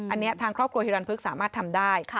อันนี้ทางครอบครัวฮิรันพึกสามารถทำได้